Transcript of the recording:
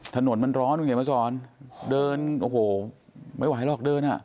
ถนนมันร้อนเห็นไหมพระสอนเดินโอ้โหไม่ไหวหรอกเดินอ่ะ